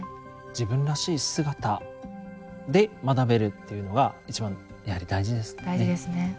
自分らしい姿で学べるっていうのが一番やはり大事ですよね。